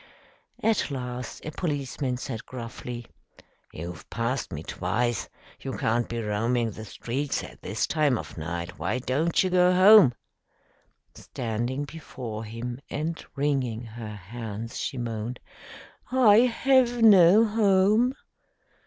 At last a policeman said gruffly, "You've passed me twice. You can't be roaming the streets at this time of night. Why don't you go home?" Standing before him and wringing her hands, she moaned, "I have no home."